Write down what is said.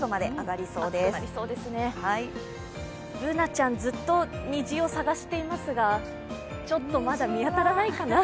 Ｂｏｏｎａちゃん、ずっと虹を探していますがちょっとまだ見当たらないかな。